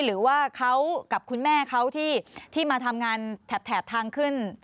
หรือว่าเขากับคุณแม่เขาที่มาทำงานแถบทางขึ้น